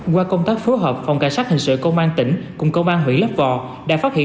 qua công tác phối hợp phòng cảnh sát hình sự công an tỉnh cùng công an huyện lấp vò đã phát hiện